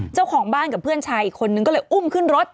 เจ้าของบ้านกับเพื่อนชายอีกคนนึงก็เลยอุ้มขึ้นรถ